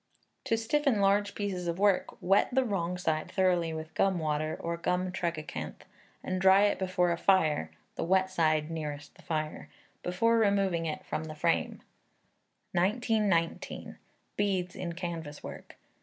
To stiffen large pieces of work, wet the wrong side thoroughly with gum water or gum tragacanth, and dry it before a fire (the wet side nearest the fire), before removing it from the frame. 1919. Beads in Canvas Work.